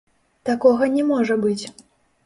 Такога не можа быць!